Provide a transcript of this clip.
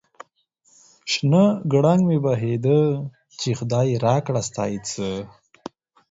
شنه گړنگ مې بهيده ، چې خداى راکړه ستا يې څه ؟